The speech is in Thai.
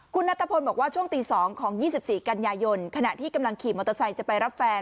คุณนัทพลบอกว่าช่วงตี๒ของ๒๔กันยายนขณะที่กำลังขี่มอเตอร์ไซค์จะไปรับแฟน